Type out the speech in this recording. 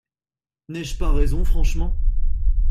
N’ai-je pas raison franchement ?